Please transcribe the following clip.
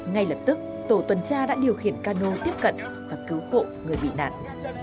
ngay lập tức tổ tuần tra đã điều khiển cano tiếp cận và cứu hộ người bị nạn